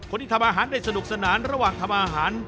ที่ทำอาหารได้สนุกสนานระหว่างทำอาหาร